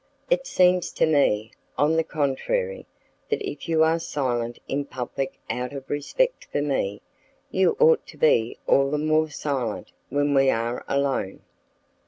It seems to me, on the contrary, that if you are silent in public out of respect for me, you ought to be all the more silent when we are alone."